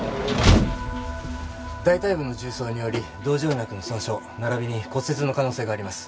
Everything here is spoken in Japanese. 大腿部の銃創により動静脈の損傷並びに骨折の可能性があります。